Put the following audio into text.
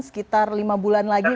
sekitar lima bulan lagi